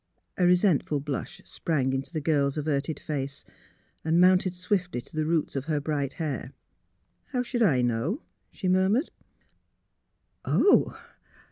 A resentful blush sprang into the girl's averted face and mounted swiftly to the roots of her bright hair. " How should I know? " she murmured. '' Oh!